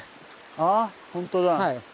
ああ本当だ。